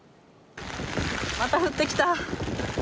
また降ってきた。